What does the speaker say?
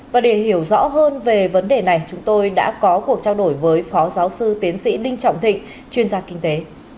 và để hiểu rõ hơn về vấn đề này chúng tôi đã có cuộc trao đổi với phó giáo sư tiến sĩ đinh trọng thịnh chuyên gia kinh tế